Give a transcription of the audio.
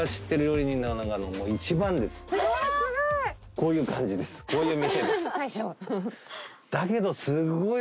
こういう店です。